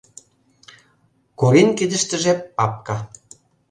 Корин кидыштыже папка.